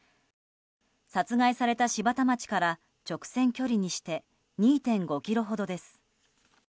殺害された柴田町から直線距離にして２．５ｋｍほどです。